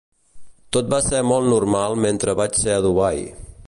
Tot va ser molt normal mentre vaig ser a Dubai.